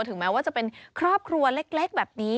ถึงแม้ว่าจะเป็นครอบครัวเล็กแบบนี้